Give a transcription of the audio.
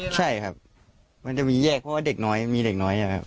ใช่ครับมันจะมีแยกเพราะว่าเด็กน้อยมีเด็กน้อยนะครับ